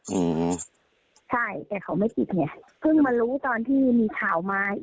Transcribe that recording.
อืมใช่แต่เขาไม่ปิดไงเพิ่งมารู้ตอนที่มีข่าวมา